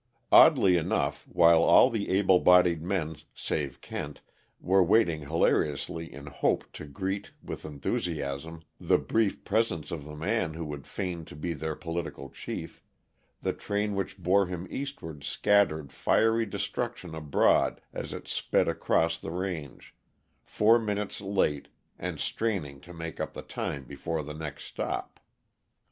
Oddly enough, while all the able bodied men save Kent were waiting hilariously in Hope to greet, with enthusiasm, the brief presence of the man who would fain be their political chief, the train which bore him eastward scattered fiery destruction abroad as it sped across their range, four minutes late and straining to make up the time before the next stop.